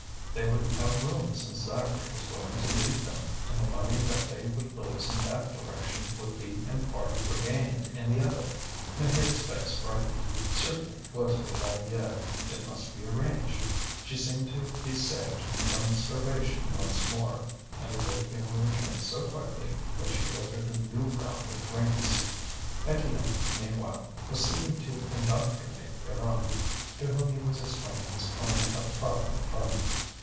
They would have room since Zacharie was going to leave them, and the money that they would lose in that direction would be in part regained in the other. Maheude's face brightened; certainly it was a good idea, it must be arranged. She seemed to be saved from starvation once more, and her good humour returned so quickly that she ordered a new round of drinks. Étienne, meanwhile, was seeking to indoctrinate Pierron, to whom he was explaining his plan of a Provident Fund.